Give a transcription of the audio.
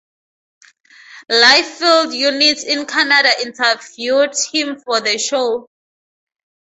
Live field units in Canada interviewed him for the show.